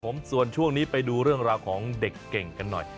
ผมส่วนช่วงนี้ไปดูเรื่องราวของเด็กเก่งกันหน่อย